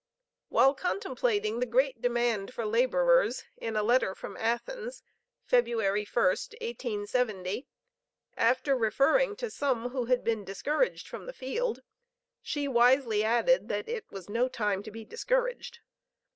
While contemplating the great demand for laborers, in a letter from Athens, February 1st, 1870, after referring to some who had been "discouraged from the field," she wisely added that it was "no time to be discouraged."